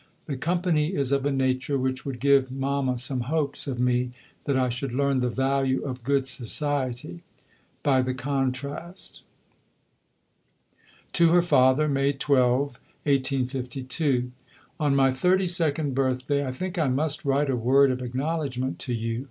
The company is of a nature which would give Mama some hopes of me that I should learn "the value of good society" by the contrast.... (To her Father.) May 12 . On my 32nd birthday I think I must write a word of acknowledgment to you.